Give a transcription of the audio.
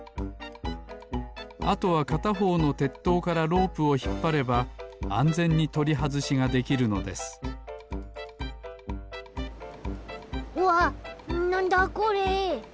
あとはかたほうのてっとうからロープをひっぱればあんぜんにとりはずしができるのですわっなんだこれ！？